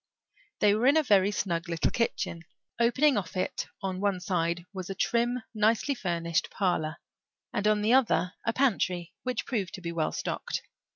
They were in a very snug little kitchen. Opening off it on one side was a trim, nicely furnished parlour, and on the other a pantry, which proved to be well stocked.